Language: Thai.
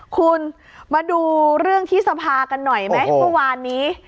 คุณมาดูเรื่องที่สภากันหน่อยไหมเมื่อวานนี้